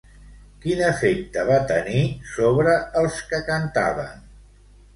Quin efecte va tenir sobre els que cantaven?